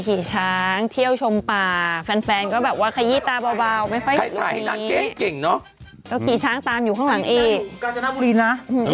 พี่ช้างตามอยู่ข้างอีกตามอยู่การเจ้าหน้าบุรีนะ